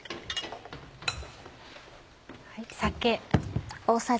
酒。